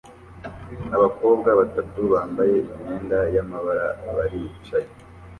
Abakobwa batatu bambaye imyenda y'amabara baricaye